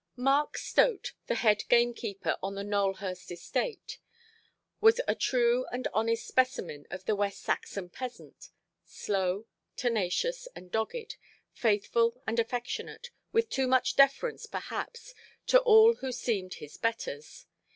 Mark Stote, the head–gamekeeper on the Nowelhurst estate, was a true and honest specimen of the West Saxon peasant—slow, tenacious, and dogged, faithful and affectionate, with too much deference, perhaps, to all who seemed "his betters".